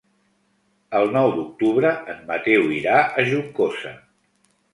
El nou d'octubre en Mateu irà a Juncosa.